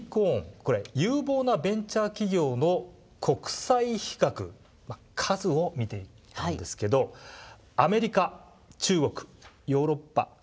これ有望なベンチャー企業の国際比較数を見ていったんですけどアメリカ中国ヨーロッパ日本。